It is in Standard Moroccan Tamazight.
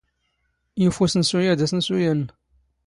ⵢⵓⴼ ⵓⵙⵏⵙⵓ ⴰⴷ ⴰⵙⵏⵙⵓ ⴰⵏⵏ.